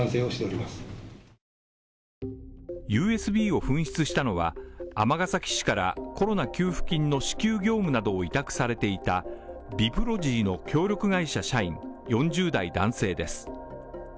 ＵＳＢを紛失したのは、尼崎市からコロナ給付金の支給業務などを委託されていたビプロジーの協力会社社員、４０代男性です。